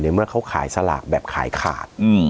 เมื่อเขาขายสลากแบบขายขาด